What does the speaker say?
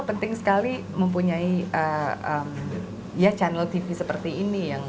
penting sekali mempunyai ya channel tv seperti ini